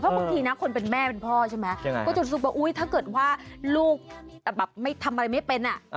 บางทีนะคนเป็นแม่เป็นพ่อใช่ไหมก็จะซุปว่าถ้าเกิดว่าลูกแบบไม่ทำอะไรไม่เป็นอ่ะ